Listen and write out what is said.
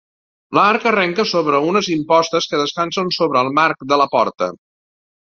L'arc arrenca sobre unes impostes que descansen sobre el marc de la porta.